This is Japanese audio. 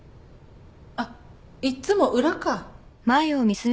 あっいっつも裏か。